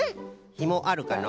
ひもあるかの？